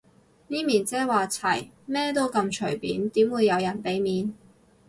咪咪姐話齋，咩都咁隨便，點會有人俾面